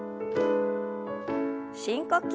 深呼吸。